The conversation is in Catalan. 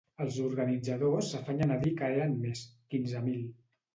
Els organitzadors s’afanyen a dir que eren més: quinze mil.